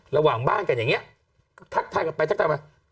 ระหว่างบ้านกันอย่างนี้ทักทายกันไปทักทายมา